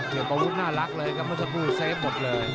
เก็บประวุธน่ารักเลยครับมันจะรู้เซฟหมดเลย